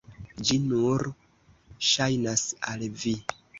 Ĝi nur ŝajnas al vi!